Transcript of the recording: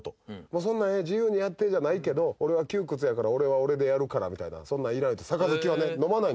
そんなんええ自由にやってじゃないけど俺は窮屈やから俺は俺でやるからみたいなそんなんいらん言うて盃をね飲まないんですよねルフィ。